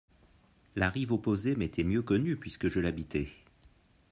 La rive opposée m'était mieux connue puisque je l'habitais.